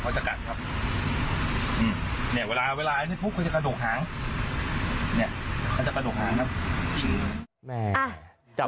เขาจะกัดครับอืมเนี่ยเวลาเวลาอันนี้พุกเขาจะกระดูกหาง